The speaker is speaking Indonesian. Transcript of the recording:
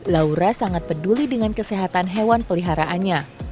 laura sangat peduli dengan kesehatan hewan peliharaannya